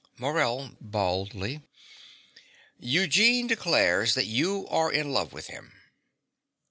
MORELL (baldly). Eugene declares that you are in love with him.